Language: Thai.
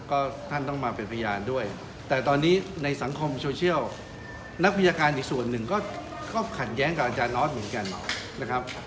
ก็ท่านต้องมาเป็นพยานด้วยแต่ตอนนี้ในสังคมโซเชียลนักพยาการอีกส่วนหนึ่งก็ขัดแย้งกับอาจารย์ออสเหมือนกันนะครับ